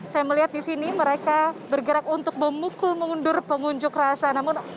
saya melihat di sini mereka bergerak untuk memukul mundur pengunjuk rasa